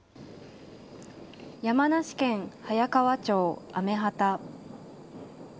山梨県早川町雨畑。